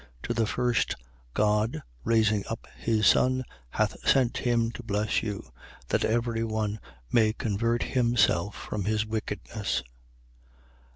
3:26. To you first, God, raising up his Son, hath sent him to bless you: that every one may convert himself from his wickedness.